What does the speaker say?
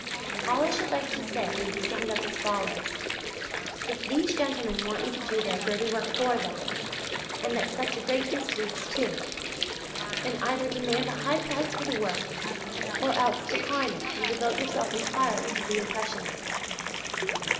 All I should like to say may be summed up as follows: If these gentlemen want you to do their dirty work for them, and at such a great distance too, then either demand a high price for the work, or else decline it and devote yourself entirely to the Impressionists.